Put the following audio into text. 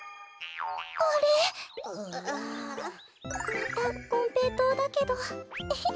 またこんぺいとうだけどエヘ。